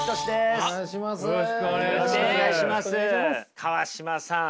川島さん